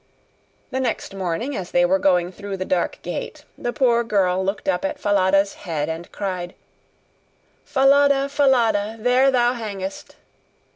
The next morning, as they were going through the dark gate, the poor girl looked up at Falada's head, and cried: 'Falada, Falada, there thou hangest!